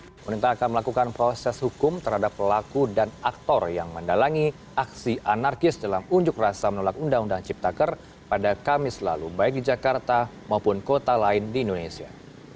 pemerintah akan melakukan proses hukum terhadap pelaku dan aktor yang mendalangi aksi anarkis dalam unjuk rasa menolak undang undang ciptaker pada kamis lalu baik di jakarta maupun kota lain di indonesia